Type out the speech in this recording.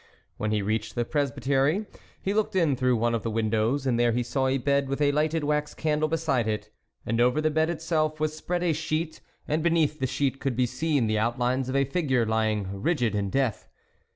When he reached the presbytery, he looked in through one of the windows, and there he saw a bed with a lighted wax candle beside it ; and over the bed itself was spread a sheet, and beneath the sheet could be seen the out lines of a figure lying rigid in death.